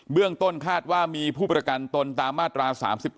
เรื่องต้นคาดว่ามีผู้ประกันตนตามมาตรา๓๗